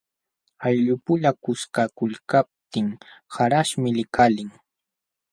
Ayllupula kuskakulkaptin qarqaśhmi likalin.